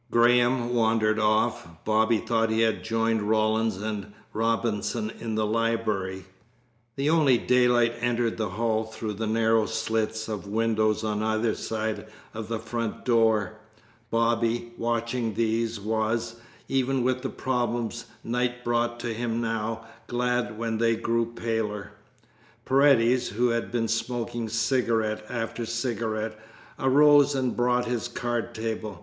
Graham wandered off. Bobby thought he had joined Rawlins and Robinson in the library. The only daylight entered the hall through narrow slits of windows on either side of the front door. Bobby, watching these, was, even with the problems night brought to him now, glad when they grew paler. Paredes, who had been smoking cigarette after cigarette, arose and brought his card table.